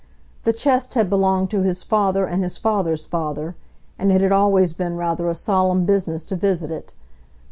The chest had belonged to his father and his father's father, and it had always been rather a solemn business to visit it.